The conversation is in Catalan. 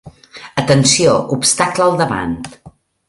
Atenció! Obstacle al davant.